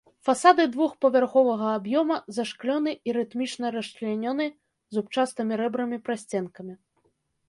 Фасады двухпавярховага аб'ёма зашклёны і рытмічна расчлянёны зубчастымі рэбрамі-прасценкамі.